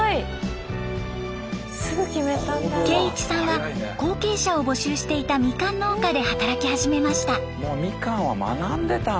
圭一さんは後継者を募集していたみかん農家で働き始めました。